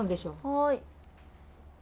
はい。